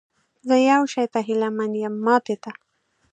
زه یو شي ته هیله من یم، ماتې ته؟